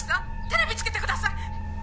テレビつけてください！